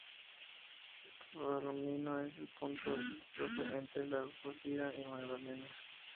Palomino es el punto limítrofe entre La Guajira y Magdalena.